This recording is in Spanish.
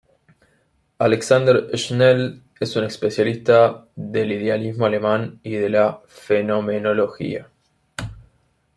Alexander Schnell es un especialista del idealismo alemán y de la fenomenología.